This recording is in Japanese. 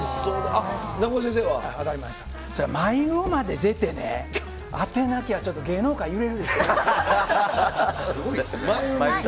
それはマイウーまで出てね、当てなきゃ、ちょっと芸能界揺れるでしょ。